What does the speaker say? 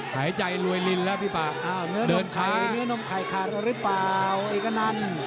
หายใจลวยฤลแล้วพี่ป่าเดินช้าเนื้อนมไก่ขาดรึเปล่าเอกนัน